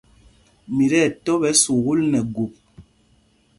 Mi tí ɛtɔ̄ ɓɛ̌ sukûl nɛ gup.